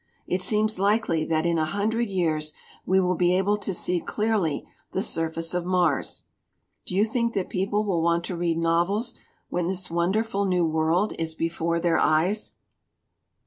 It seems likely that in a hundred years we will be able to see clearly the surface of Mars do you think that people will want to read novels when this wonderful new world is before their eyes?